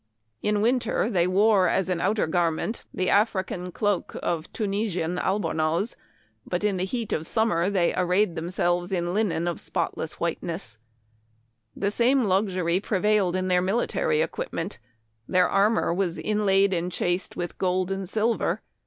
In winter they wore, as an Memoir of Washington Irving. 181 outer garment, the African cloak of Tunisian albornoz ; but in the heat of summer they ar rayed themselves in linen of spotless whiteness. The same luxury prevailed in their military equipments. Their armor was inlaid and chased with gold and silver.